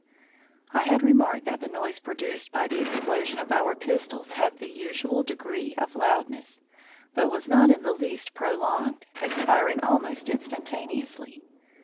I had remarked that the noise produced by the explosion of our pistols had the usual degree of loudness, but was not in the least prolonged, expiring almost instantaneously.